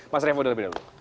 mas revo lebih dulu